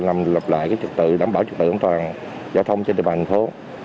làm lập lại trật tự đảm bảo trật tự an toàn giao thông trên địa bàn thố